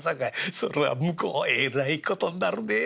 そら向こうえらい事になるで！